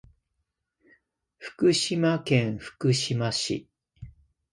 福島県福島市